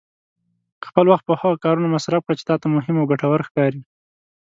خپل وخت په هغه کارونو مصرف کړه چې تا ته مهم او ګټور ښکاري.